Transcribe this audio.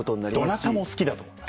どなたも好きだと思ってます。